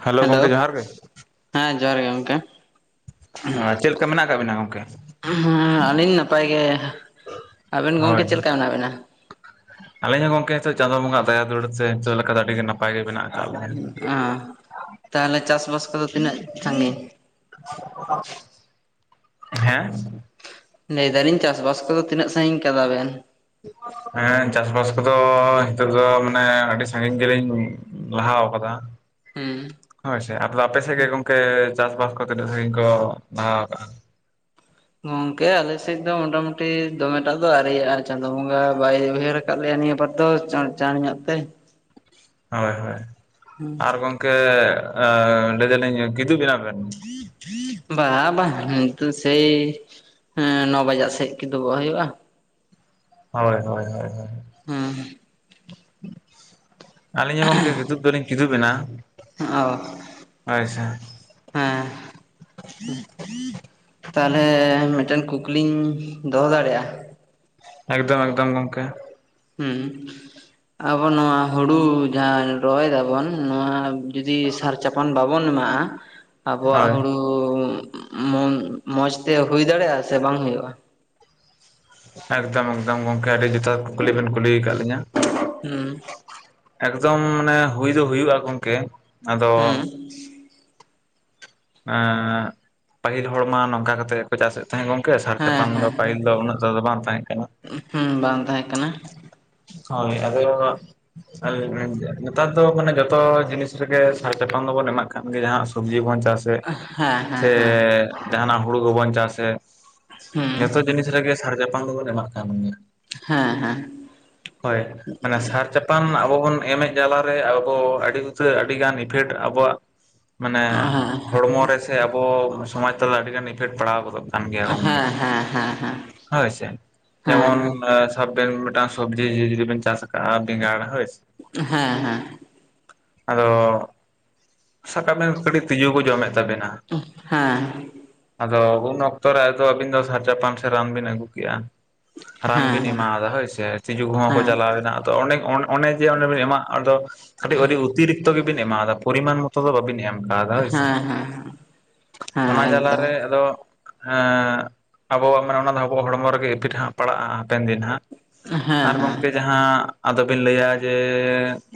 Hello hello ᱜᱚᱝᱠᱮ ᱡᱚᱦᱟᱨ ᱜᱮ ᱾ᱦᱮᱸ ᱡᱚᱦᱟᱨ ᱜᱮ ᱜᱚᱝᱠᱮ᱾ ᱟᱨ ᱪᱮᱫ ᱞᱮᱠᱟ ᱢᱮᱱᱟᱜ ᱠᱟᱜ ᱵᱮᱱᱟ? ᱦᱮᱸᱻ ᱟᱹᱞᱤᱧ ᱱᱟᱯᱟᱭ ᱜᱮ᱾ ᱟᱵᱮᱱ ᱜᱚᱝᱠᱮ ᱦᱳᱭ ᱪᱮᱫ ᱞᱮᱠᱟ ᱢᱮᱱᱟᱜ ᱵᱤᱱᱟ? ᱟᱹᱞᱤᱧ ᱦᱚᱸ ᱜᱚᱝᱠᱮ ᱦᱤᱛᱳᱜ ᱪᱟᱸᱫᱳ ᱵᱚᱸᱜᱟ ᱟᱜ ᱫᱟᱭᱟ ᱫᱩᱞᱟᱹᱲ [unintelligible] ᱞᱮᱠᱟ ᱨᱮ ᱟᱹᱰᱤ ᱱᱟ ᱯᱟᱭ ᱜᱮ ᱢᱮᱱᱟᱜ ᱟᱠᱟᱜ [inaudible] ᱚᱸᱻ, ᱛᱟᱦᱚᱞᱮ ᱪᱟ ᱥᱵᱟᱥ ᱠᱚᱫᱚ ᱛᱤᱱᱟᱹᱜ ᱥᱟᱺᱜᱤᱧ? ᱦᱮᱸ? ᱞᱟᱹᱭ ᱮᱫᱟᱞᱤᱧ ᱪᱟᱥᱵᱟᱥ ᱠᱚᱫᱚ ᱛᱤᱱᱟᱹᱜ ᱥᱟᱺᱜᱤᱧ ᱠᱟᱫᱟ ᱵᱮᱱ? ᱦᱮᱸ ᱪᱟᱥ ᱵᱟᱥ ᱠᱚᱫᱚ ᱦᱤᱛᱳᱜ ᱫᱚ ᱢᱟᱱᱮ ᱟᱹᱰᱤ ᱥᱟᱺᱜᱤᱧ ᱜᱮᱞᱤᱧ ᱞᱟᱦᱟᱣ ᱟᱠᱟᱫᱟ᱾ ᱦᱩᱸ ᱦᱳᱭ ᱥᱮ ᱟᱫᱚ ᱟᱯᱮ ᱥᱮᱜ ᱜᱮ ᱜᱚᱝᱠᱮ ᱪᱟᱥ ᱵᱟᱥ ᱠᱚ ᱛᱤᱱᱟᱹᱜ ᱠᱚ ᱞᱟᱦᱟᱣ ᱠᱟᱜ-ᱟ? ᱜᱚᱝᱠᱮ ᱟᱞᱮ ᱥᱮᱫ ᱫᱚ ᱢᱚᱴᱟᱢᱩᱴᱤ ᱫᱚᱢᱮ ᱴᱟᱜ ᱫᱚ ᱟᱹᱣᱨᱤᱭᱟᱜ-ᱟ ᱟᱨ ᱪᱟᱸᱫᱚ ᱵᱚᱸᱜᱟ ᱵᱟᱭ ᱩᱭᱦᱟᱹᱨ ᱠᱟᱫ ᱞᱮᱭᱟ ᱱᱤᱭᱟᱹ ᱵᱟᱨ ᱫᱚ ᱪᱟᱬ ᱪᱟᱬ ᱧᱚᱜ ᱛᱮ ᱦᱳᱭ ᱦᱳᱭ, ᱟᱨ ᱜᱚᱝᱠᱮ ᱟᱸᱻ ᱞᱟᱹᱭ ᱫᱟᱞᱤᱧ ᱠᱤᱫᱩᱵ ᱮᱱᱟ ᱵᱮᱱ? ᱵᱟᱝ ᱵᱟᱝ ᱱᱤᱛᱚᱜ ᱥᱮᱭᱻ ᱦᱮᱸ ᱱᱚ ᱵᱟᱡᱟᱜ ᱥᱮᱜ ᱠᱤᱝᱩᱵᱚᱜ ᱦᱩᱭᱩᱜ-ᱟ᱾ ᱦᱚᱭ ᱦᱚᱭ ᱦᱚᱭ ᱦᱚᱭ᱾ ᱦᱮᱸ [inaudible] ᱟᱹᱞᱤᱧ ᱦᱚᱸ ᱜᱚᱝᱠᱮ ᱠᱤᱫᱩᱵ ᱫᱚ ᱞᱤᱧ ᱠᱤᱫᱩᱵ ᱮᱱᱟ, ᱚ ᱦᱳᱭ ᱥᱮ ᱾ ᱦᱮᱸ, ᱛᱟᱦᱚᱞᱮ ᱢᱤᱫᱴᱮᱱ ᱠᱩᱠᱞᱤᱧ ᱫᱚᱦᱚ ᱫᱟᱲᱮᱜᱼᱟ? ᱮᱠᱫᱚᱢ ᱮᱠᱫᱚᱢ ᱜᱚᱝᱠᱮ ᱾ ᱦᱩᱸ᱾ ᱟᱵᱚ ᱱᱚᱣᱟ ᱦᱩᱲᱩ ᱡᱟᱦᱟᱸ ᱨᱚᱦᱚᱭ ᱫᱟᱵᱚᱱ ᱱᱚᱣᱟ ᱡᱩᱫᱤ ᱥᱟᱨ ᱪᱟᱯᱟᱱ ᱵᱟᱵᱚᱱ ᱮᱢᱟᱜ-ᱟ, ᱟᱵᱚᱣᱟᱜ ᱦᱳᱭ ᱦᱩᱲᱩ ᱢᱚᱱ, ᱢᱚᱸᱡᱽ ᱛᱮ ᱦᱩᱭ ᱫᱟᱲᱮᱜᱼᱟ ᱥᱮ ᱵᱟᱝ ᱦᱩᱭᱩᱜᱼᱟ? ᱮᱠᱫᱚᱢ ᱮᱠᱫᱚᱢ ᱜᱚᱝᱠᱮ ᱟᱹᱰᱤ ᱡᱚᱛᱷᱟᱛ ᱠᱩᱠᱞᱤ ᱵᱮᱱ ᱠᱩᱞᱤ ᱠᱟᱜ ᱞᱤᱧᱟ ᱾ ᱦᱩᱸ᱾ ᱮᱠᱫᱚᱢ ᱢᱟᱱᱮ ᱦᱩᱭ ᱫᱚ ᱦᱩᱭᱩᱜᱼᱟ ᱜᱚᱝᱠᱮ, ᱟᱫᱚ ᱦᱩᱸ ᱮᱸᱜ, ᱯᱟᱹᱦᱤᱞ ᱦᱚᱲᱢᱟ ᱱᱚᱝᱠᱟ ᱠᱟᱛᱮᱫ ᱜᱮ ᱠᱚ ᱪᱟᱥᱮᱫ ᱛᱟᱦᱮᱸᱜ ᱜᱚᱝᱠᱮ ᱥᱟᱨ ᱦᱮᱸ ᱪᱟᱯᱟᱱ ᱫᱚ ᱦᱮᱸ ᱯᱟᱹᱦᱤᱞ ᱫᱚ ᱩᱱᱟᱹᱜ ᱴᱟᱜ ᱫᱚ ᱵᱟᱝ ᱛᱟᱦᱮᱸᱜ ᱠᱟᱱᱟ ᱾ ᱦᱩᱸ ᱵᱟᱝ ᱛᱟᱦᱮᱸ ᱠᱟᱱᱟ ᱦᱳᱭ ᱟᱫᱚ [inaudible] ᱱᱮᱛᱟᱨ ᱫᱚ ᱢᱟᱱᱮ ᱡᱚᱛᱚ ᱡᱤᱱᱤᱥ ᱨᱮᱜᱮ ᱥᱟᱨ ᱪᱟᱯᱟᱱ ᱫᱚᱵᱚᱱ ᱮᱢᱟᱜ ᱠᱟᱱ ᱜᱮ ᱡᱟᱦᱟᱸ ᱥᱚᱵᱡᱤ ᱵᱚᱱ ᱪᱟᱥ ᱨᱮ, ᱦᱮᱸ ᱦᱮᱸ ᱥᱮ ᱦᱮᱸ ᱡᱟᱦᱟᱸᱱᱟᱜ ᱦᱩᱲᱩ ᱠᱚᱵᱚᱱ ᱪᱟᱥᱮᱜ, ᱦᱩᱸ ᱡᱚᱛᱚ ᱡᱤᱱᱤᱥ ᱨᱮᱜᱮ ᱥᱟᱨ ᱪᱟᱯᱟᱱ ᱫᱚ ᱵᱚᱱ ᱮᱢᱟᱜ ᱠᱟᱱ ᱜᱮᱭᱟ ᱾ ᱦᱮᱸ ᱦᱮᱸ ᱦᱮᱸ ᱦᱮᱸ ᱦᱮᱸ ᱦᱮᱸ ᱦᱮᱸ ᱦᱮᱸ ᱦᱮᱸ ᱦᱮᱸ ᱦᱮᱸ ᱦᱮᱸ ᱦᱮᱸ ᱦᱮᱸ ᱦᱳᱭ, ᱢᱟᱱᱮ ᱥᱟᱨ ᱪᱟ ᱯᱟᱱ ᱟᱵᱚ ᱵᱚᱱ ᱮᱢᱮᱫ ᱡᱟᱞᱟ ᱨᱮ ᱟᱫᱚ ᱟᱹᱰᱤ ᱩᱛᱟᱹᱨ ᱟᱹᱰᱤᱜᱟᱱ ᱤᱯᱷᱮᱠᱴ ᱟᱵᱚᱣᱟᱜᱼᱼ ᱢᱟᱱᱮ ᱦᱚᱲᱢᱚ ᱨᱮ ᱥᱮ ᱟᱵᱚ ᱥᱚᱢᱟᱡᱽ ᱛᱟᱞᱟ ᱟᱹᱰᱤ ᱜᱟᱱ ᱤᱯᱷᱮᱠᱴ ᱯᱟᱲᱟᱣ ᱜᱚᱫᱚᱜ ᱠᱟᱱ ᱜᱮᱭᱟ ᱜᱚᱝᱠᱮ, ᱦᱮᱸ ᱦᱮᱸ ᱦᱳᱭ ᱥᱮ ᱡᱮᱢᱚᱱ ᱥᱟᱵ ᱵᱮᱱ ᱢᱤᱫᱴᱟᱝ ᱥᱚᱵᱽᱡᱤ [inaudible] ᱡᱚᱫᱤ ᱵᱮᱱ ᱪᱟᱥ ᱟᱠᱟᱜᱼᱟ ᱵᱮᱸᱜᱟᱲ ᱦᱳᱭ ᱦᱮᱸ ᱦᱮᱸ᱾ ᱟᱫᱚ, ᱥᱟᱵ ᱠᱟᱜ ᱵᱮᱱ ᱠᱟᱹᱴᱤᱡ ᱛᱤᱡᱩ ᱠᱚ ᱡᱚᱢᱮᱫ ᱛᱟᱵᱮᱱᱟ ᱾ ᱦᱮᱸ᱾ ᱟᱫᱚ ᱩᱱ ᱚᱠᱛᱚ ᱨᱮ ᱟᱫᱚ ᱟᱹᱵᱤᱱ ᱫᱚ ᱥᱟᱨ ᱪᱟᱯᱟᱱ ᱥᱮ ᱨᱟᱱ ᱵᱤᱱ ᱟᱹᱜᱩ ᱠᱮᱜᱼᱟ, ᱨᱟᱱ ᱵᱤᱱ ᱮᱢᱟᱣ ᱟᱫᱟ ᱦᱳᱭ ᱥᱮ ᱛᱤᱡᱩ ᱠᱚᱦᱚᱸ ᱠᱚ ᱪᱟᱞᱟᱣᱱᱟ ᱛᱚ ᱚᱱᱮᱠ ᱚᱱ ᱚᱱᱮ ᱡᱮ ᱚᱸᱰᱮ ᱵᱤᱱ ᱮᱢᱟᱜ ᱫᱚ ᱠᱟᱹᱴᱤᱡ ᱩᱨᱤ ᱩᱛᱤᱨᱤᱠᱛ ᱜᱮ ᱵᱤᱱ ᱮᱢᱟᱣᱫᱟᱨ ᱯᱚᱨᱤᱢᱟᱱ ᱢᱚᱛᱚ ᱫᱚ ᱵᱟᱵᱤᱱ ᱮᱢ ᱠᱟᱣᱫᱟ ᱦᱳᱭ ᱥᱮ ᱦᱮᱸ ᱦᱮᱸ ᱚᱱᱟ ᱮᱠᱫᱚᱢ ᱡᱟᱞᱟᱨᱮ ᱟᱫᱚ ᱮ ᱟᱵᱚᱣᱟᱜ ᱢᱟᱱᱮ ᱚᱱᱟ ᱫᱚ ᱟᱵᱚᱣᱟᱜ ᱦᱚᱲᱢᱚ ᱨᱮᱜᱮ ᱤᱯᱤᱴ ᱦᱟᱸᱜ ᱯᱟᱲᱟᱜᱼᱟ ᱦᱟᱯᱮᱱ ᱫᱤᱱ ᱦᱟᱸᱜ ᱦᱮᱸ ᱾ᱟᱨ ᱦᱮᱸ ᱜᱚᱝᱠᱮ ᱡᱟᱦᱟᱸ ᱟᱫᱚ ᱵᱤᱱ ᱞᱟᱹᱭᱟ ᱡᱮ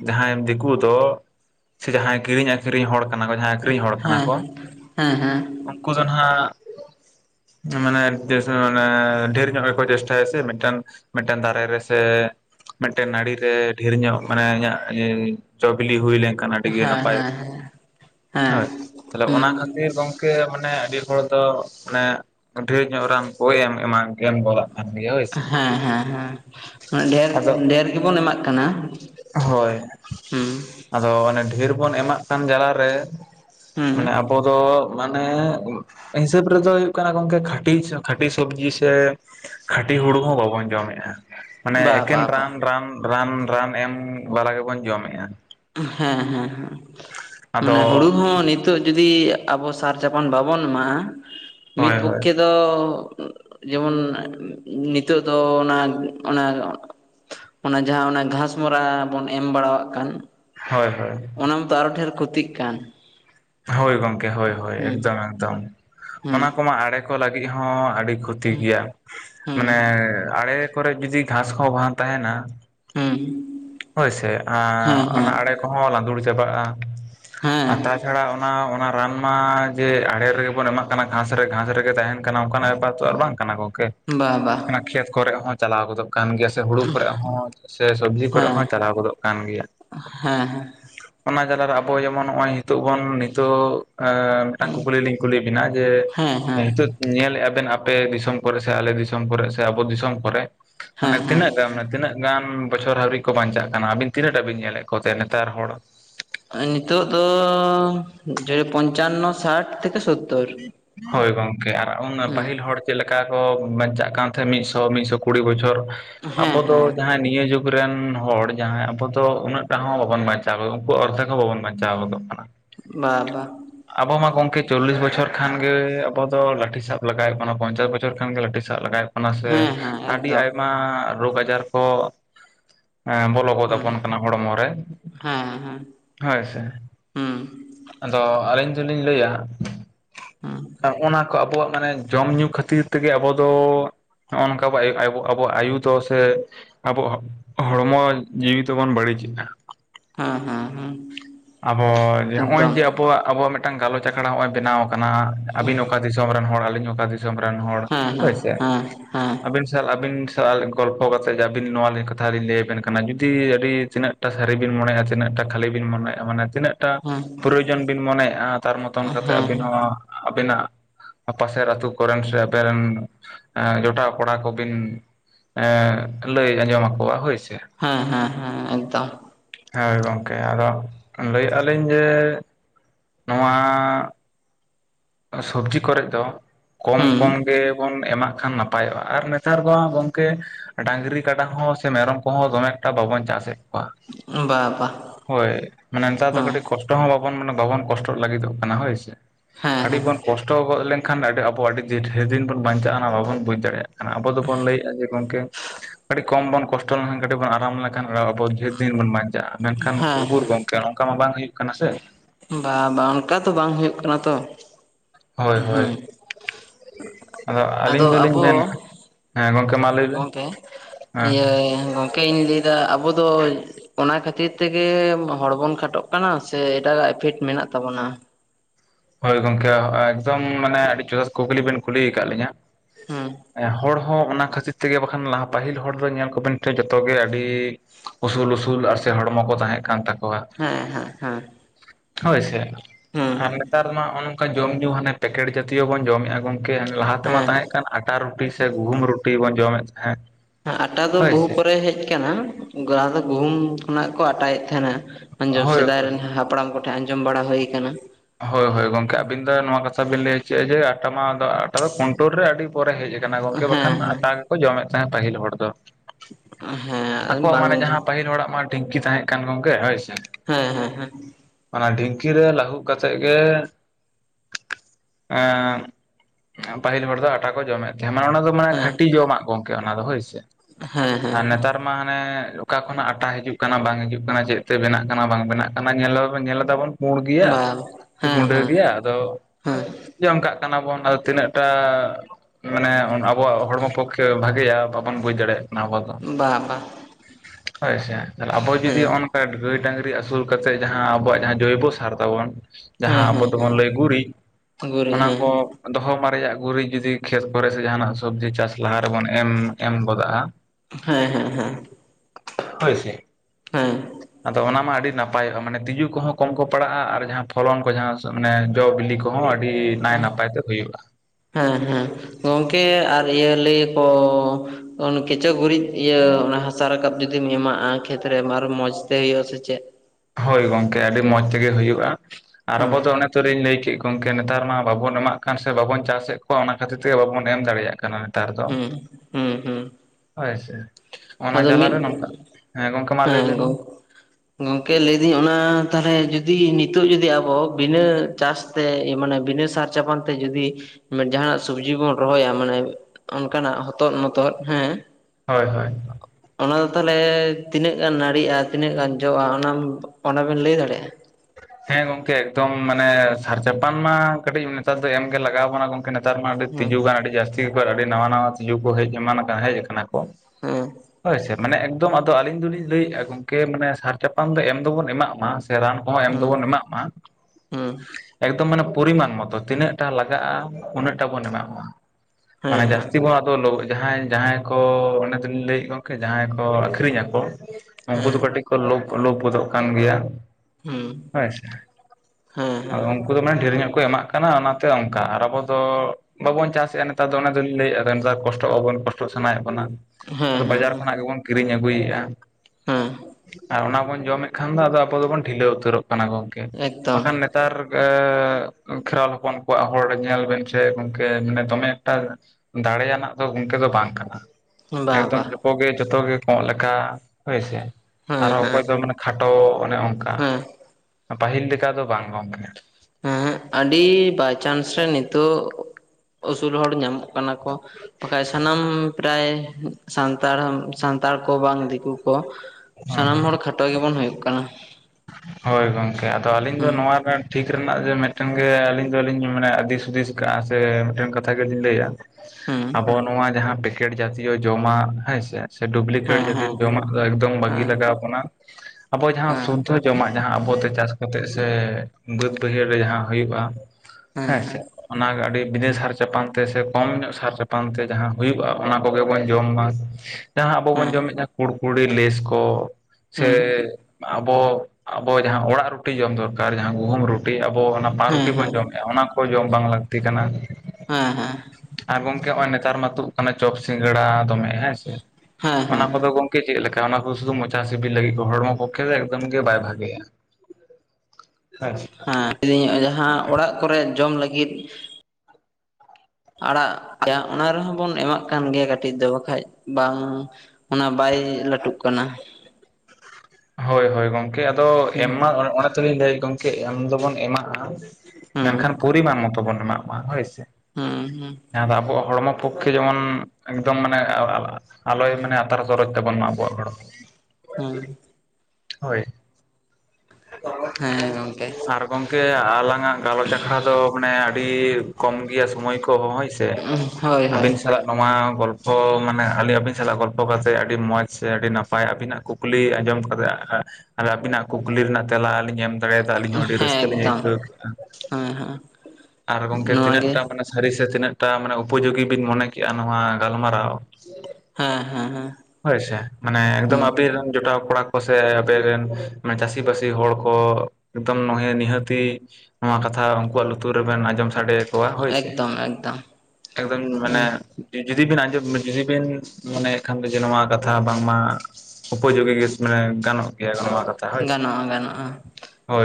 ᱡᱟᱦᱟᱸᱭ ᱫᱤᱠᱩ ᱫᱚ ᱥᱮ ᱡᱟᱦᱟᱸᱭ ᱠᱤᱨᱤᱧ ᱟᱹᱠᱷᱨᱤᱤᱧ ᱦᱚᱲ ᱠᱟᱱᱟ ᱠᱚ ᱡᱟᱦᱟᱸᱭ ᱟᱹᱠᱷᱨᱤᱧ ᱦᱚᱲ ᱠᱟᱱᱟ ᱦᱮᱸ ᱠᱚ ᱦᱮᱸ ᱦᱮᱸ ᱩᱱᱠᱩ ᱫᱚ ᱱᱟᱦᱟᱜ ᱡᱮᱢᱟᱱᱮ ᱰᱮᱥᱚᱱ ᱮ ᱴᱷᱮᱨ ᱧᱚᱜ ᱜᱮᱠᱚ ᱪᱮᱥᱴᱟᱭᱟ ᱥᱮ ᱢᱤᱫᱴᱟᱝ ᱢᱤᱫᱴᱮᱱ ᱫᱟᱨᱟᱭ ᱨᱮᱥᱮ ᱢᱤᱫᱴᱮᱱ ᱱᱟᱹᱲᱤᱨᱮ ᱰᱷᱮᱨ ᱧᱚᱜ ᱢᱟᱱᱮ ᱤᱧᱟᱹᱜ ᱡᱚ ᱵᱤᱞᱤ ᱦᱩᱭ ᱞᱮᱱ ᱠᱟᱱ ᱟᱹᱰᱤ ᱜᱮ ᱦᱮᱸ ᱱᱟᱯᱟᱭ ᱦᱮᱸ ᱦᱮᱸ ᱦᱮᱸ ᱦᱳᱭ ᱛᱟᱦᱞᱮ ᱦᱩᱸ ᱚᱱᱟ ᱠᱷᱟᱹᱛᱤᱨ ᱜᱚᱝ ᱠᱮ ᱢᱟᱱᱮ ᱟᱹᱰᱤ ᱦᱚᱲ ᱫᱚ ᱢᱟᱱᱮ ᱰᱷᱮᱨ ᱧᱚᱜ ᱨᱟᱱ ᱠᱚ ᱮᱢ ᱮᱢᱟ ᱮᱢ ᱜᱚᱫᱟᱜ ᱠᱟᱱ ᱜᱮᱭᱟ ᱦᱳᱭ ᱥᱮ ᱦᱮᱸ ᱦᱮᱸ ᱦᱮᱸ ᱰᱷᱮᱨ ᱟᱫᱚ ᱰᱷᱮᱨ ᱜᱮᱵᱚᱱ ᱮᱢᱟᱜ ᱠᱟᱱᱟ ᱦᱳᱭ ᱦᱩᱸ ᱟᱫᱚ ᱚᱱᱮ ᱰᱷᱮᱨ ᱵᱚᱱ ᱮᱢᱟᱜ ᱠᱟᱱ ᱡᱟᱞᱟᱨᱮ ᱦᱩᱸ ᱢᱟᱱᱮ ᱟᱵᱚ ᱫᱚ ᱢᱟᱱᱮ ᱦᱤᱥᱟᱹᱵ ᱨᱮᱫᱚ ᱦᱩᱭᱩᱜ ᱠᱟᱱᱟ ᱜᱚᱝᱠᱮ ᱠᱷᱟᱹᱴᱤ ᱥᱮ ᱠᱷᱟᱹᱴᱤ ᱥᱚᱵᱡᱤ ᱥᱮ ᱠᱷᱟᱹᱴᱤ ᱦᱩᱲᱩ ᱦᱚᱸ ᱵᱟᱵᱚᱱ ᱡᱚᱢᱮᱜᱼᱟ᱾ ᱢᱟᱱᱮ ᱵᱟ ᱮᱠᱮᱱ ᱵᱟ ᱵᱟ ᱨᱟᱱ ᱨᱟᱱ ᱨᱟᱱ ᱨᱟᱱᱮᱢ ᱵᱟᱞᱟ ᱜᱮᱵᱚᱱ ᱡᱚᱢᱮᱜᱼᱟ᱾ ᱦᱮᱸ ᱦᱮᱸ ᱟᱫᱚ ᱢᱟᱱᱮ ᱦᱩᱲᱩ ᱦᱚᱸ ᱱᱤᱛ ᱛᱳᱜ ᱡᱩᱫᱤ ᱟᱵᱚ ᱥᱟᱨ ᱪᱟᱯᱟᱱ ᱵᱟᱵᱚᱱ ᱮᱢᱟᱜᱼᱟ ᱢᱤᱫ ᱦᱳᱭ ᱦᱳᱭ ᱯᱚᱠᱠᱷᱮ ᱫᱚ ᱡᱮᱢᱚᱱ ᱱᱤᱛᱳᱜ ᱫᱚ ᱚᱱᱟ ᱚᱱᱟ ᱚᱱᱟ ᱡᱟᱦᱟᱸ ᱚᱱᱟ ᱜᱷᱟᱥᱢᱚᱨᱟ ᱵᱚᱱ ᱮᱢ ᱵᱟᱲᱟᱣᱟᱜ ᱠᱟᱱ ᱦᱳᱭ ᱦᱳᱭ ᱚᱱᱟ ᱢᱟᱛᱚ ᱟᱨᱚ ᱰᱷᱮᱨ ᱠᱷᱚᱛᱤᱜ ᱠᱟᱱ᱾ ᱦᱳᱭ ᱜᱚᱝᱠᱮ ᱦᱳᱭ ᱦᱳᱭ ᱦᱩᱸ ᱮᱠᱫᱚᱢ ᱮᱠᱫᱚᱢ ᱦᱩᱸ ᱚᱱᱟ ᱠᱚᱢᱟ ᱟᱲᱮ ᱠᱚ ᱞᱟᱹᱜᱤᱫ ᱦᱚᱸ ᱟᱹᱰᱤ ᱠᱷᱚᱛᱤ ᱦᱩᱸ ᱜᱮᱭᱟ ᱦᱩᱸ ᱢᱟᱱᱮ ᱟᱲᱮ ᱠᱚᱨᱮ ᱡᱩᱫᱤ ᱜᱷᱟᱸᱥ ᱦᱚᱸ ᱵᱟᱝ ᱛᱟᱦᱮᱱᱟ ᱦᱩᱸ ᱦᱳᱭᱥᱮ ᱟᱻ ᱦᱮᱸ ᱚᱱᱟ ᱦᱮᱸ ᱟᱲᱮ ᱠᱚᱦᱚᱸ ᱞᱟᱸᱫᱩᱲ ᱪᱟᱵᱟᱜᱼᱟ ᱟ ᱦᱮᱸ ᱫᱟᱡ ᱪᱷᱟᱲᱟ ᱚᱱᱟ ᱚᱱᱟ ᱨᱟᱱ ᱢᱟ ᱡᱮ ᱟᱲᱮ ᱨᱮᱜᱮ ᱵᱚᱱ ᱮᱢᱟᱜ ᱠᱟᱱᱟ ᱜᱷᱟᱸᱥ ᱨᱮ ᱜᱷᱟᱸᱥ ᱨᱮᱜᱮ ᱛᱟᱦᱮᱱ ᱠᱟᱱᱟ ᱚᱱᱠᱟᱱᱟᱜ ᱵᱮᱯᱟᱨᱛᱚ ᱟᱨ ᱵᱟᱝ ᱠᱟᱱᱟ ᱜᱚᱝᱠᱮ ᱵᱟ ᱵᱟ ᱚᱱᱟ ᱠᱷᱮᱛ ᱠᱚᱨᱮᱜ ᱦᱚᱸ ᱪᱟᱞᱟᱣ ᱜᱚᱫᱚᱜ ᱠᱟᱱ ᱜᱮᱭᱟ ᱥᱮ ᱦᱩᱲᱩ ᱠᱚᱨᱮ ᱦᱚᱸ ᱥᱮ ᱥᱚᱵᱡᱤ ᱠᱚᱨᱮᱜ ᱦᱮᱸ ᱦᱚᱸ ᱪᱟᱞᱟᱣ ᱜᱚᱫᱚᱜ ᱠᱟᱱ ᱜᱮᱭᱟ᱾ ᱦᱮᱸ ᱦᱮᱸ ᱚᱱᱟ ᱡᱟᱞᱟᱨᱮ ᱟᱵᱚ ᱡᱮᱢᱚᱱ ᱱᱚᱜᱚᱭ ᱱᱤᱛᱳᱜ ᱵᱚᱱ ᱱᱤᱛᱳᱜ ᱮᱸᱻ ᱢᱤᱫᱴᱟᱝ ᱠᱩᱠᱞᱤ ᱞᱤᱧ ᱠᱩᱞᱤ ᱵᱤᱱᱟ ᱡᱮ ᱦᱮᱸ ᱦᱮᱸ ᱱᱤᱛᱳᱜ ᱧᱮᱞᱮᱫᱼᱟ ᱵᱮᱱ ᱟᱯᱮ ᱫᱤᱥᱚᱢ ᱠᱚᱨᱮ ᱥᱮ ᱟᱞᱮ ᱫᱤᱥᱚᱢ ᱠᱚᱨᱮ ᱥᱮ ᱟᱵᱚ ᱫᱤᱥᱚᱢ ᱠᱚᱨᱮ ᱢᱟᱱᱮ ᱦᱮᱸ ᱦᱮᱸ ᱛᱤᱱᱟᱹᱜ ᱜᱟᱱ ᱛᱤᱱᱟᱹᱜ ᱜᱟᱱ ᱵᱚᱪᱷᱚᱨ ᱦᱟᱣᱨᱤᱠ ᱠᱚ ᱵᱟᱧᱪᱟᱜ ᱠᱟᱱᱟ ᱟᱹᱵᱤᱱ ᱛᱤᱱᱟᱹᱜ ᱴᱟ ᱵᱤᱱ ᱧᱮᱞᱮᱫ ᱠᱚᱛᱮ ᱱᱮᱛᱟᱨ ᱦᱚᱲ? ᱱᱤᱛᱳᱜ ᱫᱚ ᱡᱮ ᱯᱚᱧᱪᱟᱱᱱᱚ ᱥᱟᱴ ᱛᱷᱮᱠᱮ ᱥᱚᱛᱛᱳᱨ᱾ ᱦᱳᱭ ᱜᱚᱝᱠᱮ ᱟᱨ ᱩᱱ ᱯᱟᱹᱦᱤᱞ ᱦᱚᱲ ᱪᱮᱫ ᱞᱮᱠᱟ ᱠᱚ ᱵᱟᱧᱪᱟᱜ ᱠᱟᱱ ᱛᱟᱦᱮᱸᱫ ᱢᱤᱫᱥᱚ ᱢᱤᱫᱥᱚ ᱠᱩᱲᱤ ᱵᱚᱪᱷᱚᱨ ᱦᱮᱸ ᱟᱵᱚ ᱫᱚ ᱦᱮᱸ ᱡᱟᱦᱟᱸᱭ ᱱᱤᱭᱟᱹ ᱡᱩᱠ ᱨᱮᱱ ᱦᱚᱲ ᱡᱟᱦᱟᱸᱭ ᱟᱵᱚ ᱫᱚ ᱩᱱᱟᱹᱜ ᱴᱟ ᱦᱚᱸ ᱵᱟᱵᱚᱱ ᱵᱟᱧᱪᱟᱣ ᱜᱚᱫᱚᱜ ᱩᱱᱠᱩᱣᱟᱜ ᱚᱨᱫᱷᱮᱠ ᱦᱚᱸ ᱵᱟᱵᱚᱱ ᱵᱟᱧᱪᱟᱣ ᱜᱚᱫᱚᱜ ᱠᱟᱱᱟ। ᱵᱟ ᱵᱟ ᱾ ᱟᱵᱚ ᱢᱟ ᱜᱚᱝᱠᱮ ᱪᱚᱞᱞᱤᱥ ᱵᱚ ᱵᱚᱪᱷᱚᱨ ᱠᱷᱟᱱ ᱜᱮ ᱟᱵᱚ ᱫᱚ ᱞᱟᱴᱷᱤ ᱥᱟᱵ ᱞᱟᱜᱟᱭᱮᱫ ᱵᱚᱱᱟ ᱯᱚᱧᱪᱟᱥ ᱵᱚᱪᱷᱚᱨ ᱠᱷᱟᱱ ᱜᱮ ᱞᱟᱴᱷᱤ ᱥᱟᱵ ᱞᱟᱜᱟᱭᱮᱫ ᱵᱚᱱᱟ᱾ ᱚᱱᱟ ᱥᱮ ᱦᱮᱸ ᱦᱮᱸ ᱟᱹᱰᱤ ᱮᱠᱫᱚᱢ ᱟᱭᱢᱟ ᱨᱳᱜᱽ ᱟᱡᱟᱨ ᱠᱚ ᱮᱸ ᱵᱚᱞᱚ ᱜᱚᱫ ᱦᱩᱸ ᱟᱵᱚᱱ ᱠᱟᱱᱟ ᱦᱚᱲᱢᱚ ᱨᱮ ᱦᱮᱸ ᱦᱮᱸ ᱦᱳᱭ ᱥᱮ ᱾ ᱦᱩᱸ ᱟᱫᱚ ᱟᱹᱞᱤᱧ ᱫᱚᱞᱤᱧ ᱞᱟᱹᱭᱟ [unintelligible] ᱚᱱᱟ ᱠᱚ ᱟᱵᱚᱣᱟᱜ ᱢᱟᱱᱮ ᱡᱚᱢ ᱧᱩ ᱠᱷᱟᱹᱛᱤᱨ ᱛᱮᱜᱮ ᱟᱵᱚ ᱫᱚ ᱱᱚᱜ ᱱᱚᱝᱠᱟ ᱟᱵᱚᱣᱟᱜ ᱟᱵᱚᱣᱟᱜ ᱟᱭᱩ ᱛᱚ ᱥᱮ ᱟᱵᱚ ᱦᱚᱲᱢᱚ ᱡᱤᱣᱤ ᱛᱮᱵᱚᱱ ᱵᱟᱹᱲᱤᱡᱮᱟ ᱾ ᱦᱮᱸ ᱦᱮᱸ ᱦᱮᱸ᱾ ᱟᱵᱚ ᱡᱮ ᱱᱚ-ᱚᱭ ᱮᱠᱫᱚᱢ ᱡᱮ ᱟᱵᱚᱣᱟᱜ ᱟᱵᱚᱣᱟᱜ ᱢᱤᱫᱴᱟᱝ ᱜᱟᱞᱚᱪ ᱟᱠᱷᱲᱟ ᱱᱚ-ᱚᱭ ᱵᱮᱱᱟᱣ ᱠᱟᱱᱟ ᱟᱹᱵᱤᱱ ᱚᱠᱟ ᱫᱤᱥᱚᱢ ᱨᱮᱱ ᱦᱚᱲ ᱟᱹᱞᱤᱧ ᱚᱠᱟ ᱫᱤᱥᱚᱢ ᱨᱮᱱ ᱦᱚᱲ ᱦᱮᱸ ᱦᱮᱸ ᱦᱳᱭᱥᱮ, ᱦᱮᱸ ᱦᱮᱸ ᱟᱹᱵᱤᱱ ᱪᱟᱞ ᱟᱹᱵᱤᱱ ᱥᱟᱶ ᱜᱚᱞᱯᱚ ᱠᱟᱛᱮ ᱟᱹᱵᱤᱱ ᱱᱚᱣᱟ ᱠᱟᱛᱷᱟ ᱞᱤᱧ ᱞᱟᱹᱭ ᱟᱵᱮᱱ ᱠᱟᱱᱟ ᱡᱩᱫᱤ ᱟᱹᱰᱤ ᱛᱤᱱᱟᱹᱜ ᱴᱟ ᱥᱟᱹᱨᱤ ᱵᱤᱱ ᱢᱚᱱᱮᱭᱮᱜ-ᱟ ᱛᱤᱱᱟᱹᱜ ᱴᱟ ᱠᱷᱟᱹᱞᱤ ᱵᱤᱱ ᱢᱚᱱᱮ ᱢᱟᱱᱮ ᱛᱤᱱᱟᱹᱜᱴᱟ ᱦᱮᱸ ᱯᱨᱚᱭᱳᱡᱚᱱ ᱵᱤᱱ ᱢᱚᱱᱮᱭᱮᱜ-ᱟ ᱛᱟᱨ ᱢᱚᱛᱚᱱ ᱠᱟᱛᱮ ᱦᱮᱸ ᱟᱵᱤᱱ ᱦᱚᱸ ᱟᱵᱤᱱᱟᱜ ᱯᱟᱥᱮᱨ ᱟᱛᱳ ᱠᱚᱨᱮᱱ ᱥᱮ ᱟᱵᱮᱱ ᱨᱮᱱ ᱮᱸ ᱡᱚᱴᱟᱣ ᱠᱚᱲᱟ ᱠᱚᱵᱤᱱ ᱮᱸ ᱞᱟᱹᱭ ᱟᱸᱡᱚᱢ ᱟᱠᱚᱣᱟ ᱦᱳᱭᱥᱮ ᱾ ᱦᱮᱸ ᱦᱮᱸ ᱦᱮᱸ ᱮᱠᱫᱚᱢ ᱾ ᱦᱳᱭ ᱜᱚᱝᱠᱮ ᱟᱫᱚ ᱞᱟᱹᱭᱮᱫ ᱟᱹᱞᱤᱧ ᱡᱮ ᱱᱚᱣᱟ ᱥᱚᱵᱡᱤ ᱠᱚᱨᱮ ᱫᱚ ᱠᱚᱢ ᱦᱩᱸ ᱠᱚᱢ ᱜᱮᱵᱚᱱ ᱮᱢᱟᱜ ᱠᱷᱟᱱ ᱱᱟᱯᱟᱭ ᱱᱟᱯᱟᱭᱚᱜ-ᱟ, ᱟᱨ ᱱᱮᱛᱟᱨ ᱫᱚ ᱜᱚᱝᱠᱮ ᱰᱟᱝᱨᱤ ᱠᱟᱰᱟ ᱦᱚᱸ ᱥᱮ ᱢᱮᱨᱚᱢ ᱠᱚᱦᱚᱸ ᱫᱚᱢᱮ ᱮᱠᱴᱟ ᱵᱟᱵᱚᱱ ᱪᱟᱥᱮᱫ ᱠᱚᱣᱟ᱾ ᱵᱟ ᱵᱟ ᱦᱳᱭ ᱢᱟᱱᱮ ᱱᱮᱛᱟᱨ ᱫᱚ ᱦᱮᱸ ᱠᱟᱹᱴᱤᱡ ᱠᱚᱥ- ᱠᱚᱥᱴᱚ ᱦᱚᱸ ᱵᱟᱵᱚᱱ ᱢᱟᱱᱮ ᱵᱟᱵᱚᱱ ᱠᱚᱥᱴᱚᱜ ᱞᱟᱹᱜᱤᱫᱚᱜ ᱠᱟᱱᱟ ᱦᱳᱭ ᱥᱮ ᱾ ᱦᱮᱸ ᱠᱟᱹᱴᱤᱡ ᱦᱮᱸ ᱵᱚᱱ ᱠᱚᱥᱴᱚ ᱜᱚᱫ ᱞᱮᱱᱠᱷᱟᱱ ᱟᱹᱰᱤ ᱟᱵᱚ ᱟᱹᱰᱤ ᱰᱷᱮᱨ ᱫᱤᱱ ᱵᱚᱱ ᱵᱟᱧᱪᱟᱜ-ᱟ ᱵᱟᱵᱚᱱ ᱵᱩᱡᱽ ᱫᱟᱲᱮᱭᱟᱜ᱾ ᱟᱵᱚ ᱫᱚᱵᱚᱱ ᱞᱟᱹᱭᱮᱫ-ᱟ ᱡᱮ ᱜᱚᱝᱠᱮ ᱟᱹᱰᱤ ᱠᱚᱢ ᱵᱚᱱ ᱠᱚᱥᱴᱚ ᱛᱮᱦᱮᱧ ᱠᱟᱹᱴᱤᱡ ᱵᱚᱱ ᱟᱨᱟᱢ ᱞᱮᱠᱷᱟᱱ ᱟᱵᱚ ᱫᱷᱮᱨ ᱫᱤᱱ ᱵᱚᱱ ᱵᱟᱧᱪᱟᱜ-ᱟ ᱢᱮᱱᱠᱷᱟᱱ ᱦᱮᱸ ᱩᱠᱩᱨ ᱦᱮᱸ ᱵᱚᱝ? ᱚᱱᱠᱟ ᱢᱟ ᱵᱟᱝ ᱦᱩᱭᱩᱜ ᱠᱟᱱᱟ ᱥᱮ ᱵᱟ ᱵᱟᱝ ᱚᱱᱠᱟ ᱛᱚ ᱵᱟᱝ ᱦᱩᱭᱩᱜ ᱠᱟᱱᱟ ᱛᱚ᱾ ᱦᱳᱭ ᱦᱳᱭ ᱦᱮᱸ ᱟᱫᱚ ᱟᱹᱞᱤᱧ ᱫᱚᱞᱤᱧ ᱢᱮᱱ-ᱟ ᱦᱮᱸ ᱜᱚᱢᱠᱮ ᱢᱟ ᱞᱟᱹᱭ ᱵᱮᱱ ᱦᱮᱸ ᱠᱟᱹᱡ ᱤᱧ ᱞᱟᱹᱭᱫᱟ ᱟᱵᱚ ᱫᱚ ᱚᱱᱟ ᱠᱷᱟᱹᱛᱤᱨ ᱛᱮᱜᱮ ᱦᱚᱲᱵᱚᱱ ᱠᱷᱟᱴᱚᱜ ᱠᱟᱱᱟ ᱥᱮ ᱮᱴᱟᱜᱟᱜ ᱮᱯᱷᱮᱠᱴ ᱢᱮᱱᱟᱜ ᱛᱟᱵᱚᱱᱟ? ᱦᱳᱭ ᱜᱚᱝᱠᱮ ᱮᱠᱫᱚᱢ ᱢᱟᱱᱮ ᱟᱹᱰᱤ ᱡᱚᱥ ᱠᱩᱠᱞᱤ ᱵᱮᱱ ᱠᱩᱞᱤ ᱟᱠᱟᱫ ᱞᱤᱧᱟᱹ᱾ ᱦᱮᱸ ᱦᱚᱲ ᱦᱚᱸ ᱚᱱᱟ ᱠᱷᱟᱹᱛᱤᱨ ᱛᱮᱜᱮ ᱵᱟᱠᱷᱟᱱ ᱞᱟᱦᱟ ᱯᱟᱹᱦᱤᱞ ᱦᱚᱲ ᱫᱚ ᱧᱮᱞ ᱠᱚᱵᱮᱱ ᱡᱚᱛᱚ ᱜᱮ ᱟᱹᱰᱤ ᱩᱥᱩᱞ ᱩᱥᱩᱞ ᱟᱨ ᱥᱮ ᱦᱚᱲᱢᱚ ᱠᱚ ᱛᱟᱦᱮᱸ ᱠᱟᱱ ᱛᱟᱠᱚᱣᱟ ᱾ ᱦᱮᱸ ᱦᱮᱸ ᱦᱮᱸ᱾ ᱦᱳᱭ ᱥᱮ ᱟᱨ ᱱᱮᱛᱟᱨ ᱢᱟ ᱱᱚᱜ ᱱᱚᱝᱠᱟ ᱡᱚᱢ ᱧᱩ ᱦᱟᱱᱮ ᱯᱮᱠᱮᱴ ᱡᱟᱹᱛᱤᱭᱚ ᱵᱚᱱ ᱡᱚᱢᱮᱫᱼᱟ᱾ ᱜᱚᱢᱠᱮ ᱞᱟᱦᱟ ᱛᱮᱢᱟ ᱦᱮᱸ ᱛᱟᱦᱮᱸ ᱠᱟᱱ ᱟᱴᱟ ᱨᱩᱴᱤ ᱥᱮ ᱜᱩᱦᱩᱢ ᱨᱩᱴᱤ ᱵᱚᱱ ᱡᱚᱢᱮᱫ ᱛᱟᱦᱮᱸᱫ᱾ ᱟᱴᱟ ᱫᱚ ᱦᱳᱭ ᱵᱚᱦᱩ ᱥᱮ ᱯᱚᱨᱮ ᱦᱮᱡ ᱟᱠᱟᱱᱟ᱾ ᱞᱟᱦᱟ ᱫᱚ ᱜᱩᱦᱩᱢ ᱠᱷᱚᱱᱟᱜ ᱠᱚ ᱟᱴᱟᱭᱮᱫ ᱛᱟᱦᱮᱸᱱ-ᱟ ᱾ ᱟᱸᱡᱚᱢ ᱦᱳᱭ ᱥᱮᱫᱟᱭ ᱦᱳᱭ ᱨᱮᱱ ᱦᱟᱯᱲᱟᱢ ᱠᱚᱴᱷᱮᱱ ᱟᱸᱡᱚᱢ ᱵᱟᱲᱟ ᱦᱩᱭ ᱟᱠᱟᱱ-ᱟ ᱾ ᱦᱳᱭ ᱦᱳᱭ ᱜᱚᱝᱠᱮ ᱟᱵᱤᱱ ᱫᱚ ᱱᱚᱣᱟ ᱠᱟᱛᱷᱟ ᱵᱤᱱ ᱞᱟᱹᱭ ᱦᱚᱪᱚᱭᱮᱫᱟ ᱡᱮ ᱟᱴᱟ ᱢᱟ ᱫᱚ ᱟᱴᱟ ᱫᱚ ᱠᱚᱱᱴᱳᱞ ᱨᱮ ᱟᱰᱤ ᱯᱚᱨᱮ ᱦᱮᱡ ᱟᱠᱟᱱ-ᱟ ᱾ ᱠᱟᱱᱟ ᱜᱚᱝᱠᱮ ᱵᱟᱠᱷᱟᱱ ᱦᱮᱸ ᱟᱴᱟ ᱦᱮᱸ ᱜᱮᱠᱚ ᱡᱚᱢᱮᱫ ᱛᱟᱦᱮᱸᱫ ᱯᱟᱹᱦᱤᱞ ᱦᱚᱲ ᱫᱚ᱾ ᱦᱮᱸ ᱟᱠᱚᱣᱟᱜ ᱵᱟᱝ ᱢᱟᱱᱮ ᱟᱸᱡᱚᱢ ᱡᱟᱦᱟᱸ ᱯᱟᱹᱦᱤᱞ ᱦᱚᱲᱟᱜ ᱢᱟ ᱰᱷᱤᱝᱠᱤ ᱛᱟᱦᱮᱸᱜ ᱠᱟᱱ ᱜᱚᱝᱠᱮ ᱦᱳᱭᱥᱮ᱾ ᱦᱮᱸ ᱦᱮᱸ ᱦᱮᱸ᱾ ᱚᱱᱟ ᱰᱷᱤᱝᱠᱤ ᱨᱮ ᱞᱟᱹᱦᱩᱫ ᱠᱟᱛᱮᱫ ᱜᱮ ᱮᱸ ᱯᱟᱹᱦᱤᱞ ᱦᱚᱲ ᱫᱚ ᱟᱴᱟ ᱠᱚ ᱡᱚᱢᱮᱫ ᱛᱟᱦᱮᱸᱫ ᱢᱟᱱᱮ ᱚᱱᱟ ᱫᱚ ᱢᱟᱱᱮ ᱠᱷᱟᱹᱴᱤ ᱡᱚᱢᱟᱜ ᱜᱚᱝᱠᱮ ᱚᱱᱟ ᱫᱚ ᱦᱳᱭ ᱥᱮ᱾ ᱦᱮᱸ ᱦᱮᱸ ᱦᱮᱸ᱾ ᱟᱴᱟ ᱢᱟ ᱦᱟᱱᱮ ᱚᱠᱟ ᱠᱷᱚᱱᱟᱜ ᱟᱴᱟ ᱦᱤᱡᱩᱜ ᱠᱟᱱᱟ ᱵᱟᱝ ᱦᱤᱡᱩᱜ ᱠᱟᱱᱟ ᱪᱮᱫ ᱛᱮ ᱵᱮᱱᱟᱜ ᱠᱟᱱᱟ ᱵᱟᱝ ᱵᱮᱱᱟᱜ ᱠᱟᱱᱟ᱾ ᱧᱮᱞ ᱦᱚ ᱵᱟᱵᱮᱱ ᱧᱮᱞ ᱞᱮᱫᱟᱵᱚᱱ ᱯᱩᱲ ᱜᱮᱭᱟ ᱵᱟᱝ ᱥᱮ ᱦᱮᱸ ᱜᱩᱰᱟᱹ ᱦᱮᱸ ᱜᱮᱭᱟ ᱟᱫᱚ ᱦᱮᱸ ᱡᱚᱢ ᱠᱟᱜ ᱠᱟᱱᱟ ᱵᱚᱱ ᱟᱫᱚ ᱛᱤᱱᱟᱹᱜ ᱴᱟ ᱢᱟᱱᱮ ᱟᱵᱚᱣᱟᱜ ᱦᱚᱲᱢᱚ ᱯᱚᱠᱠᱷᱮ ᱵᱷᱟᱜᱮ ᱜᱮᱭᱟ ᱵᱟᱵᱚᱱ ᱵᱩᱡᱽ ᱫᱟᱲᱮᱭᱟᱜ ᱠᱟᱱᱟ ᱟᱵᱚ ᱫᱚ᱾ ᱵᱟ ᱵᱟ ᱦᱳᱭ ᱥᱮ ᱟᱵᱚ ᱡᱩᱫᱤ ᱦᱮᱸ ᱚᱱ ᱜᱟᱹᱭ ᱰᱟᱹᱝᱨᱤ ᱟᱹᱥᱩᱞ ᱠᱟᱛᱮᱫ ᱡᱟᱦᱟᱸ ᱟᱵᱚᱣᱟᱜ ᱡᱟᱦᱟᱸ ᱡᱳᱭᱵᱚ ᱥᱟᱨ ᱛᱟᱵᱚᱱ ᱡᱟᱦᱟᱸ ᱦᱮᱸ ᱟᱵᱚ ᱦᱮᱸ ᱫᱚᱵᱚᱱ ᱦᱮᱸ ᱞᱟᱹᱭ ᱜᱩᱨᱤᱡ᱾ ᱜᱩᱨᱤᱡ ᱚᱱᱟ ᱦᱮᱸ ᱠᱚ ᱫᱚᱦᱚ ᱢᱟᱨᱮᱭᱟᱜ ᱜᱩᱨᱤᱡ ᱡᱩᱫᱤ ᱠᱷᱮᱛ ᱠᱚᱨᱮ ᱥᱮ ᱡᱟᱦᱟᱱᱟᱜ ᱥᱚᱵᱽᱡᱤ ᱪᱟᱥ ᱞᱟᱦᱟ ᱨᱮᱵᱚᱱ ᱮᱢ ᱮᱢ ᱜᱚᱫᱟᱼᱟ᱾ ᱦᱮᱸ ᱦᱮᱸ ᱦᱮᱸ᱾ ᱦᱳᱭ ᱥᱮ᱾ ᱦᱮᱸ᱾ ᱟᱫᱚ ᱚᱱᱟ ᱢᱟ ᱟᱹᱰᱤ ᱱᱟᱯᱟᱭᱚᱜᱼᱟ᱾ ᱢᱟᱱᱮ ᱛᱤᱡᱩ ᱠᱚᱦᱚᱸ ᱠᱚᱢ ᱠᱚ ᱯᱟᱲᱟᱜᱼᱟ᱾ ᱟᱨ ᱡᱟᱦᱟᱸ ᱯᱷᱚᱞᱚᱱ ᱠᱚ ᱡᱟᱦᱟᱸ ᱢᱟᱱᱮ ᱡᱚ ᱵᱤᱞᱤ ᱠᱚᱦᱚᱸ ᱟᱰ ᱦᱮᱸ ᱦᱮᱸ ᱜᱚᱝᱠᱮ ᱟᱨ ᱤᱭᱟᱹ ᱞᱟᱹᱭᱟᱠᱚ ᱚᱱ ᱠᱮᱪᱚ ᱜᱩᱨᱤᱡ ᱤᱭᱟᱹ ᱚᱱᱟ ᱦᱟᱥᱟ ᱨᱟᱠᱟᱵ ᱡᱩᱫᱤᱢ ᱮᱢᱟᱜᱼᱟ᱾ ᱠᱷᱮᱛ ᱨᱮᱢ ᱟᱨᱚ ᱢᱚᱸᱡᱽ ᱛᱮ ᱦᱩᱭᱩᱜᱼᱟ ᱥᱮ ᱪᱮᱫ? ᱦᱳᱭ ᱜᱚᱝᱠᱮ ᱟᱹᱰᱤ ᱢᱚᱸᱡᱽ ᱛᱮᱜᱮ ᱦᱩᱭᱩᱜᱼᱟ᱾ ᱟᱨ ᱟᱵᱚ ᱦᱮᱸ ᱫᱚ ᱚᱱᱟ ᱛᱚᱨᱤᱧ ᱞᱟᱹᱭ ᱠᱮᱫ ᱜᱚᱝᱠᱮ ᱱᱮᱛᱟᱨ ᱢᱟ ᱵᱟᱵᱚᱱ ᱮᱢᱟᱜ ᱠᱟᱱ ᱥᱮ ᱵᱟᱵᱚᱱ ᱪᱟᱥᱮᱫ ᱠᱚᱣᱟ ᱚᱱᱟ ᱠᱷᱟᱹᱛᱤᱨ ᱛᱮᱜᱮ ᱵᱟᱵᱚᱱ ᱮᱢ ᱫᱟᱲᱮᱭᱟᱜ ᱠᱟᱱᱟ᱾ ᱱᱮᱛᱟᱨ ᱫᱚ ᱦᱮᱸ ᱦᱮᱸ ᱦᱮᱸ ᱦᱳᱭ ᱥᱮ᱾ ᱚᱱᱟ ᱟᱫᱚ ᱢᱤᱫ ᱡᱟᱞᱟᱨᱮ ᱱᱚᱝᱠᱟ ᱦᱮᱸ ᱜᱚᱝᱠᱮ ᱢᱟ ᱞᱟᱹᱭ ᱦᱮᱸ ᱵᱮᱱ ᱢᱟ᱾ ᱜᱚᱝ ᱜᱚᱝᱠᱮ ᱞᱟᱹᱭᱫᱟᱹᱧ ᱚᱱᱟ ᱛᱟᱦᱚᱞᱮ ᱡᱩᱫᱤ ᱱᱤᱛᱚᱜ ᱡᱩᱫᱤ ᱟᱵᱚ ᱵᱤᱱᱟᱹ ᱪᱟᱥ ᱛᱮ ᱢᱟᱱᱮ ᱵᱤᱱᱟᱹ ᱥᱟᱨ ᱪᱟᱯᱟᱱ ᱛᱮ ᱡᱩᱫᱤ ᱢᱮᱫ ᱡᱟᱦᱱᱟᱜ ᱥᱚᱵᱡᱤ ᱵᱚᱱ ᱨᱚᱦᱚᱭ-ᱟ᱾ ᱢᱟᱱᱮ ᱚᱱᱠᱟᱱᱟᱜ ᱦᱚᱛᱚᱫ ᱢᱚᱛᱚᱦᱫ ᱦᱮᱸ ᱦᱳᱭ ᱦᱳᱭ᱾ [inaudible] ᱚᱱᱟ ᱫᱚ ᱛᱟᱞᱦᱮ ᱛᱤᱱᱟᱹᱜ ᱜᱟᱱ ᱱᱟᱹᱲᱤᱜᱼᱟ, ᱛᱤᱱᱟᱹᱜ ᱛᱤᱱᱟᱹᱜ ᱜᱟᱱ ᱡᱚᱜᱼᱟ᱾ ᱚᱱᱟ ᱚᱱᱟ ᱵᱮᱱ ᱞᱟᱹᱭ ᱫᱟᱲᱮᱭᱟᱜᱼᱟ? ᱦᱮᱸ ᱜᱚᱝᱠᱮ ᱮᱠᱫᱚᱢ ᱢᱟᱱᱮ ᱥᱟᱨ ᱪᱟᱯᱟᱱ ᱢᱟ ᱠᱟᱹᱴᱤᱡ ᱱᱮᱛᱟᱨ ᱫᱚ ᱮᱢᱜᱮ ᱞᱟᱜᱟᱣ ᱵᱚᱱ-ᱟ ᱜᱚᱝᱠᱮ ᱠᱮ ᱱᱮᱛᱟᱨ ᱢᱟ ᱟᱹᱰᱤ ᱦᱮᱸ ᱛᱤᱡᱩ ᱜᱟᱱ ᱟᱹᱰᱤ ᱡᱟᱹᱥᱛᱤ ᱜᱮᱠᱚ ᱟᱹᱰᱤ ᱱᱟᱣᱟ ᱱᱟᱣᱟ ᱛᱤᱡᱩ ᱠᱚ ᱦᱮᱡ ᱮᱢᱟᱱ ᱦᱮᱡ ᱟᱠᱟᱱᱟ ᱠᱚ᱾ ᱦᱩᱸ᱾ ᱦᱳᱭᱥᱮ ᱢᱟᱱᱮ ᱮᱠᱫᱚᱢ ᱟᱫᱚ ᱟᱞᱤᱧ ᱫᱩᱞᱤᱧ ᱞᱟᱹᱭᱮᱫᱼᱟ ᱜᱚᱝᱠᱮ ᱢᱟᱱᱮ ᱥᱟᱨ ᱪᱟᱯᱟᱱ ᱫᱚ ᱮᱢ ᱫᱚᱵᱚᱱ ᱮᱢᱟᱜ ᱢᱟ ᱥᱮ ᱨᱟᱱ ᱠᱚᱦᱚ ᱦᱮᱸ ᱫᱚᱵᱚᱱ ᱮᱢᱟᱜ ᱢᱟ᱾ ᱮᱠᱫᱚᱢ ᱢᱟᱱᱮ ᱯᱚᱨᱤᱢᱟᱱ ᱢᱚᱛᱚ ᱛᱤᱱᱟᱹᱜᱴᱟ ᱞᱟᱜᱟᱜᱼᱟ ᱦᱩᱱᱟᱹᱜ ᱴᱟ ᱵᱚᱱ ᱮᱢᱟᱜ ᱢᱟ ᱱᱚᱣᱟ᱾ ᱢᱟᱱᱮ ᱦᱮᱸ ᱦᱮᱸ ᱡᱟᱥᱛᱤ ᱵᱟᱱ ᱟᱫᱚ ᱞᱳ ᱡᱟᱦᱟᱸᱭ ᱡᱟᱦᱟᱸᱭ ᱠᱚ ᱚᱱᱮ ᱫᱚᱞᱤᱧ ᱞᱟᱹᱭᱮᱫ ᱠᱚᱝᱠᱮ ᱡᱟᱦᱟᱸᱭ ᱠᱚ ᱟᱠᱷᱨᱤᱧ ᱟᱠᱚ ᱩᱱᱠᱩ ᱫᱚ ᱦᱮᱸ ᱠᱟᱹᱴᱤᱡ ᱠᱚ ᱞᱳᱵᱷᱚ ᱞᱳᱵᱷᱚ ᱜᱚᱫᱚᱜ ᱠᱟᱱ ᱜᱮᱭᱟ᱾ ᱦᱩᱸ᱾ ᱦᱳᱭ ᱥᱮ᱾ ᱟᱫᱚ ᱩᱱᱠᱩ ᱫᱚ ᱢᱟᱱᱮ ᱰᱷᱮᱨ ᱧᱚᱜ ᱠᱚ ᱮᱢᱟᱜ ᱠᱟᱱᱟ ᱚᱱᱟᱛᱮ ᱚᱱᱠᱟ ᱟᱨ ᱟᱵᱚ ᱫᱚ ᱵᱟᱵᱚᱱ ᱪᱟᱥᱮᱜᱼᱟ ᱱᱮᱛᱟᱨ ᱫᱚ ᱚᱱᱟ ᱫᱚ ᱞᱤᱧ ᱞᱟᱹᱭᱮᱫᱼᱟ ᱫᱚ ᱱᱮᱛᱟᱨ ᱠᱚᱥᱴᱚᱜ ᱟᱵᱚᱱ ᱠᱚᱥᱴᱚᱜ ᱥᱟᱱᱟᱭᱮᱫ ᱵᱚᱱᱟ᱾ ᱦᱮᱸ ᱟᱫᱚ ᱵᱟᱡᱟᱨ ᱦᱮᱸ ᱠᱷᱚᱱᱟᱜ ᱜᱮᱵᱚᱱ ᱠᱤᱨᱤᱧ ᱟᱹᱜᱩᱭᱮᱫ-ᱟ ᱦᱮᱸ ᱟᱨ ᱚᱱᱟ ᱵᱚᱱ ᱡᱚᱢᱮᱫ ᱠᱷᱟᱱ ᱫᱚ ᱟᱫᱚ ᱟᱵᱚ ᱫᱚᱵᱚᱱ ᱰᱷᱤᱞᱟᱹᱣ ᱩᱛᱟᱹᱨᱚᱜ ᱠᱟᱱᱟ ᱜᱚᱝᱠᱮ᱾ ᱮᱠᱫᱚᱢ ᱵᱟᱠᱷᱟᱱ ᱱᱮᱛ ᱱᱮᱛᱟᱨ ᱠᱷᱮᱨᱣᱟᱞ ᱦᱚᱯᱚᱱ ᱠᱚᱣᱟᱜ ᱦᱚᱲ ᱧᱮᱞ ᱵᱮᱱ ᱥᱮ ᱜᱚᱝᱠᱮ ᱢᱟᱱᱮ ᱫᱚᱢᱮ ᱮᱠᱴᱟ ᱫᱟᱲᱮᱭᱟᱱᱟᱜ ᱫᱚ ᱜᱚᱝᱠᱮ ᱫᱚ ᱵᱟᱝ ᱠᱟᱱᱟ᱾ ᱵᱟ ᱮᱠᱫᱚᱢ ᱵᱟ ᱪᱚᱯ ᱜᱮ ᱡᱚᱛᱚᱜᱮ ᱠᱚᱸᱜ ᱞᱮᱠᱟ ᱦᱳᱭᱥᱮ ᱦᱮᱸ ᱟᱨᱚ ᱚᱠᱚᱭ ᱦᱮᱸ ᱫᱚ ᱢᱟᱱᱮ, ᱠᱷᱟᱴᱚ ᱚᱱᱮ ᱚᱱᱠᱟ᱾ ᱦᱮᱸ ᱯᱟᱹᱦᱤᱞ ᱞᱮᱠᱟ ᱫᱚ ᱵᱟᱝ ᱜᱚᱝᱠᱮ? ᱩᱸᱦᱩᱹᱜ ᱟᱹᱰᱤ ᱵᱟᱭᱪᱟᱱᱥ ᱨᱮ ᱱᱤᱛᱚᱜ ᱩᱥᱩᱞ ᱦᱚᱲ ᱧᱟᱢᱚᱜ ᱠᱟᱱᱟᱠᱚ ᱵᱟᱠᱷᱟᱡ ᱥᱟᱱᱟᱢ ᱯᱮᱨᱟᱭ ᱥᱟᱱᱛᱟᱲ ᱥᱟᱱᱛᱟᱲ ᱠᱚ ᱵᱟᱝ ᱫᱤᱠᱩ ᱠᱚ ᱥᱟᱱᱟᱢ ᱦᱚᱲ ᱠᱷᱟᱴᱚ ᱜᱮᱵᱚᱱ ᱦᱩᱭᱩᱜ ᱠᱟᱱᱟ᱾ ᱦᱳᱭ ᱜᱚᱝᱠᱮ ᱟᱫᱚ ᱟᱹᱞᱤᱧ ᱫᱚ ᱦᱩᱸ ᱱᱚᱣᱟ ᱨᱮᱱ ᱴᱷᱤᱠ ᱨᱮᱱᱟᱜ ᱡᱮ ᱢᱤᱫᱴᱮᱱ ᱜᱮ ᱟᱹᱞᱤᱧ ᱫᱚᱞᱤᱧ ᱢᱟᱱᱮ ᱫᱤᱥ ᱦᱩᱫᱤᱥ ᱟᱠᱟᱫᱼᱟ ᱥᱮ ᱢᱤᱫᱴᱮᱱ ᱠᱟᱛᱷᱟ ᱜᱮᱞᱤᱧ ᱞᱟᱹᱭᱮᱜ-ᱟ᱾ ᱦᱩᱸ ᱟᱵᱚ ᱱᱚᱣᱟ ᱡᱟᱦᱟᱸ ᱯᱮᱠᱮᱴ ᱡᱟᱛᱤᱭᱚ ᱡᱚᱢᱟᱜ ᱦᱮᱸ ᱥᱮ, ᱥᱮ ᱰᱩᱵᱞᱤᱠᱮᱴ ᱦᱮᱸ ᱡᱟᱛᱤᱭ ᱦᱮᱸ ᱡᱚᱢᱟᱜ ᱫᱚ ᱮᱜᱚᱫᱚᱢ ᱵᱟᱹᱜᱤ ᱦᱮᱸ ᱞᱟᱜᱟᱣ ᱟᱵᱚᱱᱟ ᱟᱵᱚ ᱡᱟᱦᱟᱸ ᱥᱩᱫᱽᱫᱷᱚ ᱡᱚᱢᱟᱜ ᱡᱟᱦᱟᱸ ᱟᱵᱚᱛᱮ ᱪᱟᱥ ᱠᱟᱛᱮ ᱥᱮ ᱵᱟᱹᱫᱽ ᱵᱟᱹᱭᱦᱟᱹᱲ ᱨᱮ ᱡᱟᱦᱟᱸ ᱦᱩᱭᱩᱜᱼᱟ᱾ ᱦᱮᱸ ᱥᱮ᱾ ᱚᱱᱟᱜᱮ ᱟᱹᱰᱤ ᱵᱤᱱᱟᱹ ᱥᱟᱨ ᱪᱟᱯᱟᱱ ᱛᱮ ᱥᱮ ᱠᱚᱢ ᱧᱚᱜ ᱥᱟᱨ ᱪᱟᱯᱟᱱ ᱛᱮ ᱦᱩᱭᱩᱜᱼᱟ ᱚᱱᱟ ᱠᱚᱜᱮ ᱵᱚᱱ ᱡᱚᱢ ᱢᱟ᱾ ᱡᱟᱦᱟᱸ ᱟᱵᱚ ᱵᱚᱱ ᱦᱮᱸ ᱡᱚᱢᱮᱫᱼᱟ ᱠᱩᱲᱠᱲᱤ ᱞᱮᱥ ᱠᱚ ᱥᱮ ᱦᱩᱸ ᱟᱵᱚ ᱟᱵᱚ ᱡᱟᱦᱟᱸ ᱚᱲᱟᱜ ᱨᱩᱴᱤ ᱡᱚᱢ ᱫᱚᱨᱠᱟᱨ ᱡᱟᱦᱟᱸ ᱜᱩᱦᱩᱢ ᱨᱩᱴᱤ ᱟᱵᱚ ᱚᱱᱟ ᱯᱟᱸ ᱦᱮᱸ ᱨᱩᱴᱤ ᱦᱮᱸ ᱵᱚᱱ ᱦᱮᱸ ᱡᱚᱢᱮᱫᱼᱟ ᱚᱱᱟ ᱠᱚ ᱡᱚᱢ ᱵᱟᱝ ᱞᱟᱹᱠᱛᱤ ᱠᱟᱱᱟ᱾ ᱦᱮᱸ ᱦᱮᱸ, ᱟᱨ ᱜᱚᱝᱠᱮ ᱱᱚᱜ-ᱚᱭ ᱱᱮᱛᱟᱨ ᱢᱟ ᱛᱩᱫ ᱠᱟᱱᱟ ᱪᱚᱯ ᱥᱤᱸᱜᱟᱹᱲᱟ ᱫᱚᱢᱮ ᱦᱮᱸ ᱥᱮ ᱦᱮᱸ ᱦᱮᱸ ᱦᱮᱸ ᱚᱱᱟ ᱠᱚᱫᱚ ᱦᱮᱸ ᱜᱚᱝᱠᱮ ᱪᱮᱫ ᱞᱮᱠᱟ ᱚᱱᱟ ᱠᱚᱫᱚ ᱥᱩᱫᱩ ᱢᱚᱪᱟ ᱥᱤᱵᱤᱞ ᱞᱟᱹᱜᱤᱫ ᱦᱚᱲᱢᱚ ᱯᱚᱠᱷᱮ ᱫᱚ ᱮᱠᱫᱚᱢ ᱜᱮ ᱵᱟᱭ ᱵᱷᱟᱜ ᱜᱮᱭᱟ᱾ ᱦᱮᱸ ᱞᱟᱹᱭᱫᱟᱹᱧ ᱡᱟᱦᱟᱸ ᱚᱲᱟᱜ ᱠᱚᱨᱮ ᱡᱚᱢ ᱞᱟᱹᱜᱤᱫ, ᱟᱲᱟᱜ ᱪᱟ ᱚᱱᱟ ᱨᱮᱦᱚᱸ ᱵᱚᱱ ᱮᱢᱟᱜ ᱠᱟᱱ ᱜᱮᱭᱟ ᱠᱟᱹᱴᱤᱡ ᱫᱚ ᱵᱟᱠᱷᱟᱡ ᱵᱟᱝ ᱚᱱᱟ ᱵᱟᱭ ᱞᱟᱹᱴᱩᱜ ᱠᱟᱱᱟ᱾ ᱦᱳᱭ ᱦᱳᱭ ᱜᱚᱝᱠᱮ ᱟᱫᱚ ᱦᱩᱸ ᱮᱢ ᱢᱟ ᱚᱱᱮ ᱛᱚᱞᱤᱧ ᱞᱟᱹᱭ ᱜᱚᱢᱠᱮ ᱮᱢ ᱫᱚᱵᱚᱱ ᱮᱢᱟᱜᱼᱟ᱾ ᱢᱮᱱᱠᱷᱟᱱ ᱦᱩᱸ ᱯᱚᱨᱤᱢᱟᱱ ᱢᱚᱛᱚ ᱵᱚᱱ ᱮᱢᱟᱜ ᱢᱟ ᱦᱳᱭ ᱥᱮ᱾ ᱦᱩᱸ ᱦᱩᱸ, ᱡᱟᱦᱟᱸ ᱫᱚ ᱟᱵᱚᱣᱟᱜ ᱦᱚᱲᱢᱚ ᱯᱚᱠᱷᱮ ᱡᱮᱢᱚᱱ ᱮᱠᱫᱚᱢ ᱢᱟᱱᱮ ᱟᱞ ᱟᱞ ᱟᱞᱚᱭ ᱢᱟᱱᱮ ᱟᱛᱟᱨ ᱛᱚᱨᱚᱡ ᱛᱟᱵᱚᱱ ᱢᱟ ᱟᱵᱚᱣᱟᱜ ᱡᱚᱲᱢᱚ᱾ ᱦᱩᱸ, ᱦᱳᱭ᱾ ᱦᱮᱸ ᱜᱚᱝᱠᱮ [unintelligible] ᱥᱟᱨ ᱜᱚᱝᱠᱮ ᱟᱞᱟᱝᱟᱜ ᱜᱟᱞᱚᱪ ᱟᱠᱷᱲᱟ ᱫᱚ ᱢᱟᱱᱮ ᱟᱹᱰᱤ ᱠᱚᱢ ᱜᱮᱭᱟ ᱥᱳᱢᱚᱭ ᱠᱚ ᱦᱳᱭ ᱥᱮ᱾ ᱥᱮ ᱦᱳᱭ ᱦᱳᱭ ᱟᱵᱮᱱ ᱥᱟᱞᱟᱜ ᱱᱚᱣᱟ ᱜᱚᱞᱯᱷᱚ ᱢᱟᱱᱮ ᱟᱞᱤᱧ ᱟᱵᱤᱱ ᱥᱟᱞᱟᱜ ᱜᱚᱞᱯᱚ ᱠᱟᱛᱮ ᱟᱹᱰᱤ ᱢᱚᱡᱽ ᱥᱮ ᱟᱹᱰᱤ ᱱᱟᱯᱟᱭ ᱟᱵᱤᱱᱟᱜ ᱠᱩ ᱠᱩᱠᱞᱤ ᱟᱸᱡᱚᱢ ᱠᱟᱛᱮ ᱟᱹᱵᱤᱱᱟᱜ ᱠᱩᱠᱞᱤ ᱨᱮᱱᱟᱜ ᱛᱮᱞᱟ ᱟᱞᱤᱧ ᱮᱢ [unintelligible] ᱟᱹᱞᱤᱧ ᱦᱚᱸ ᱟᱹᱰᱤ ᱦᱮᱸ ᱨᱟᱹᱥᱠᱟᱹ ᱞᱤᱧ ᱮᱠᱫᱚᱢ ᱟᱹᱭᱠᱟᱹᱣ ᱠᱮᱫᱼᱟ ᱦᱮᱸ ᱦᱮᱸ ᱟᱨ ᱜᱚᱝᱠᱮ ᱱᱚᱣᱟ ᱜᱮ ᱛᱤᱱᱟᱹᱜᱴᱟ ᱢᱟᱱᱮ ᱥᱟᱹᱨᱤ ᱥᱮ ᱛᱤᱱᱟᱹᱜ ᱴᱟ ᱢᱟᱱᱮ ᱩᱯᱚᱡᱳᱜᱤ ᱵᱤᱱ ᱢᱚᱱᱮ ᱠᱮᱜᱼᱟ ᱱᱚᱣᱟ ᱜᱟᱞᱢᱟᱨᱟᱣ, ᱦᱮᱸ ᱦᱮᱸ ᱦᱮᱸ ᱦᱳᱭᱥᱮ ᱢᱟᱱᱮ ᱮᱠᱫᱚᱢ ᱦᱩᱸ ᱟᱵᱮᱱ ᱨᱮᱱ ᱡᱚᱴᱟᱣ ᱠᱚᱲᱟ ᱠᱚ ᱥᱮ ᱟᱵᱮᱱ ᱨᱮᱱ ᱢᱟᱱᱮ ᱪᱟᱹᱥᱤ ᱵᱟᱹᱥᱤ ᱦᱚᱲ ᱠᱚ ᱮᱠᱫᱚᱢ ᱱᱚ ᱼᱮ ᱱᱤᱦᱟᱹᱛᱤ ᱱᱚᱣᱟ ᱠᱟᱛᱷᱟ ᱩᱱᱠᱩᱣᱟᱜ ᱞᱩᱛᱩᱨ ᱨᱮᱵᱮᱱ ᱟᱸᱡᱚᱢ ᱥᱟᱰᱮ ᱠᱚᱭᱟ ᱦᱳᱭ ᱥᱮ ᱮᱠᱫᱚᱢ ᱮᱠᱫᱚᱢ ᱮᱠᱫᱚᱢ ᱢᱟᱱᱮ ᱡᱩᱫᱤ ᱵᱤᱱ ᱟᱸᱡᱚᱢ ᱡᱩᱫᱤ ᱵᱤᱱ ᱢᱚᱱᱮᱭᱮᱫ ᱠᱷᱟᱱ ᱫᱚ ᱡᱮ ᱱᱚᱣᱟ ᱠᱟᱛᱷᱟ ᱵᱟᱝᱢᱟ ᱩᱯᱚᱡᱳᱜᱤ ᱜᱮ ᱢᱟᱱᱮ ᱜᱟᱱᱚᱜ ᱜᱮᱭᱟ ᱱᱚᱣᱟ ᱠᱟᱛᱷᱟ ᱦᱳᱭ ᱥᱮ ᱜᱟᱱᱚᱜᱼᱟ ᱜᱟᱱᱚᱜᱼᱟ, ᱦᱳᱭ